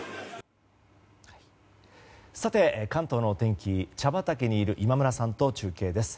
さて関東のお天気茶畑にいる今村さんと中継です。